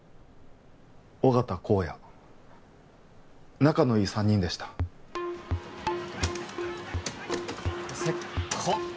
緒方公哉仲のいい三人でしたせっこ！